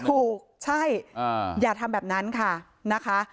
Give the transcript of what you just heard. ถูกใช่อย่าทำแบบนั้นค่ะนะคะ